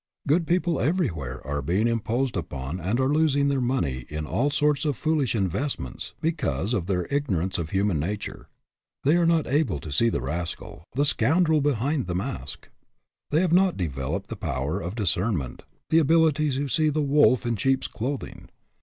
Good people everywhere are being imposed upon and are losing their money in all sorts of foolish investments because of their ignorance of human nature. They are not able to see the rascal, the scoundrel behind the mask. They have not developed the power of discernment, the ability to see the " wolf in sheep's clothing."